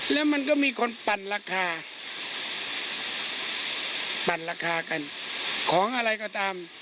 แล้วมันก็มีคนปั่นราคาปั่นราคากันของอะไรก็ตาม